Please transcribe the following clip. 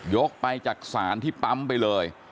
กไปจากศาลที่ปั๊มไปเลย